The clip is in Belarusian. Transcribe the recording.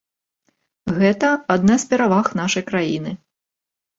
Гэта адна з пераваг нашай краіны.